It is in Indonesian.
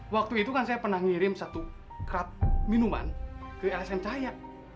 waktu itu kan saya pernah ngirim satu cup minuman ke lsm cahaya